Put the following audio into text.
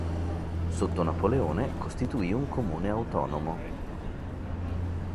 Sotto Napoleone costituì un comune autonomo.